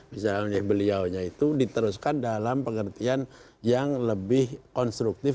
misalnya beliaunya itu diteruskan dalam pengertian yang lebih konstruktif